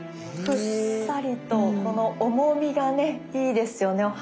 ふっさりとこの重みがねいいですよね